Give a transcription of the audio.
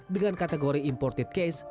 dengan kategori imported case